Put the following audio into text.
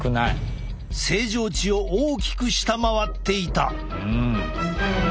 正常値を大きく下回っていた！